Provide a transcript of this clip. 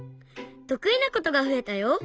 とくいなことがふえたよ！